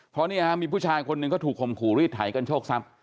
เพราะเนี่ยมีผู้ชายคนหนึ่งเขาถูกข่มขู่รีดไถกันโชคทรัพย